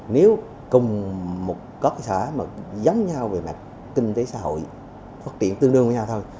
nếu cùng một cơ sở giống nhau về mặt kinh tế xã hội phát triển tương đương với nhau thôi